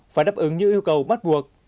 phải đáp ứng những yêu cầu bắt buộc